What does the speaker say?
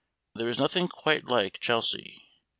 There is nothing quite like Chelsea.